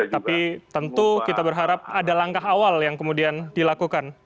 tapi tentu kita berharap ada langkah awal yang kemudian dilakukan